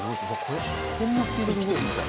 こんなスピードで動くんだ。